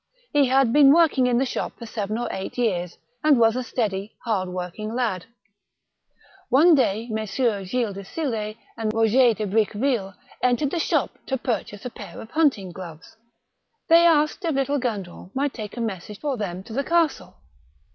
He had been working in the shop for seven or eight years, and was a steady, hard working lad. One day Messieurs Gilles de Sille and Eoger de Briqueville entered the shop to purchase a pair of hunting gloves. They asked if little Gendron might take a message for them to the castle.